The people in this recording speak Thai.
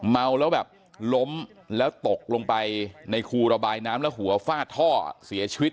เมาแล้วแบบล้มแล้วตกลงไปในคูระบายน้ำแล้วหัวฟาดท่อเสียชีวิต